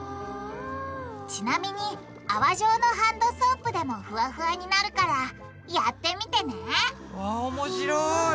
ちなみに泡状のハンドソープでもフワフワになるからやってみてねわおもしろい！